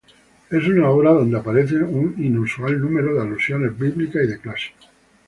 Es una obra donde aparece un inusual número de alusiones bíblicas y de clásicos.